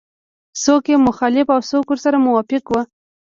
څوک یې مخالف او څوک ورسره موافق وو.